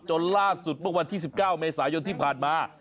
จนล่าสุดเมื่อวันที่๑๙เมษายนที่ผ่านมา